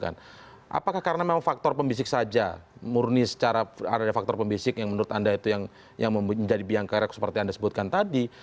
apakah karena memang faktor pembisik saja murni secara ada faktor pembisik yang menurut anda itu yang menjadi biang kerok seperti anda sebutkan tadi